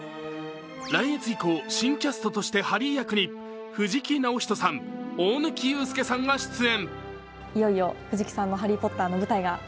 来月以降、新キャストとしてハリー役に藤木直人さん、大貫勇輔さんが出演。